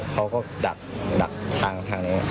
เขาก็ดักทางนี้